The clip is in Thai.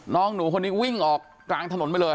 น้องหนูคนนี้วิ่งออกกลางถนนไปเลย